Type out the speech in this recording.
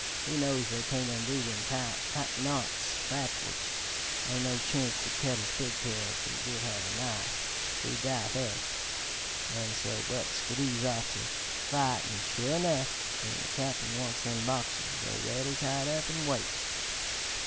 He knows they can't undo them tight knots backwards, an' no Chink would cut his pigtail if he did have a knife he'd die foist an' so Buck skidoos off to the fight, an', sure enough, when the Cap'n wants them Boxers, they're ready, tied up an' waitin'.